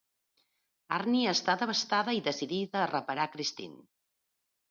Arnie està devastada i decidida a reparar Christine.